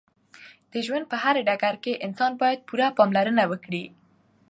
د ژوند په هر ډګر کې انسان باید پوره پاملرنه وکړې